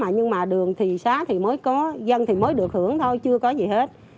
nhưng mà đường thì xá thì mới có dân thì mới được hưởng thôi chưa có gì hết